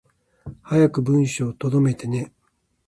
早く文章溜めてね